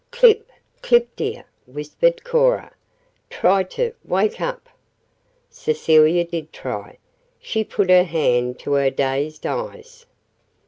"Clip! Clip, dear!" whispered Cora. "Try to wake up!" Cecilia did try she put her hand to her dazed eyes.